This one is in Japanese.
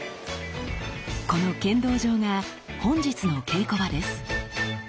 この剣道場が本日の稽古場です。